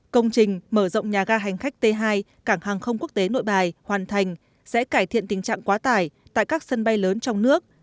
công trình mở rộng nhà ga hành khách t hai cảng hàng không quốc tế nội bài hoàn thành sẽ cải thiện tình trạng quá tải tại các sân bay lớn trong nước